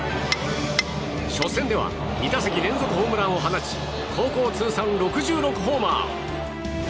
初戦では２打席連続ホームランを放ち高校通算６６ホーマー。